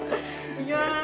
いきます。